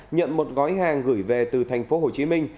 nhận một gói hàng gửi về từ thành phố hồ chí minh